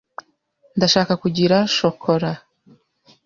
Ndashaka kugira shokora.